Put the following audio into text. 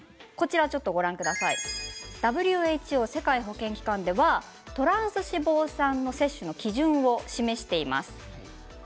ＷＨＯ世界保健機関ではトランス脂肪酸、摂取の基準を示しています。